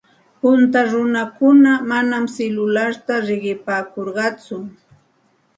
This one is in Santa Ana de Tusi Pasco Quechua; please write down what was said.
Punta runakuna manam silularta riqipaakurqatsu.